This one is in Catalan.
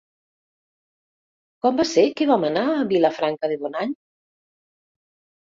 Quan va ser que vam anar a Vilafranca de Bonany?